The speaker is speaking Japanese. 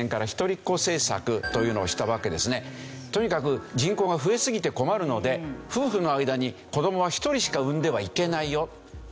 とにかく人口が増えすぎて困るので夫婦の間に子どもは１人しか産んではいけないよという。